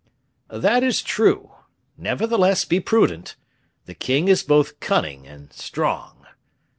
"That is true. Nevertheless, be prudent. The king is both cunning and strong."